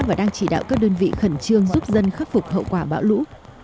và đang chỉ đạo các đơn vị khẩn trương giúp dân khắc phục hậu quả bão lũ